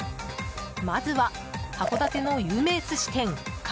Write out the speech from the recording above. まずは、函館の有名寿司店函